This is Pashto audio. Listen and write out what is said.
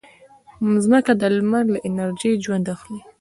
مځکه د لمر له انرژي ژوند اخلي.